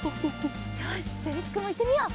よしじゃありつくんもいってみよう。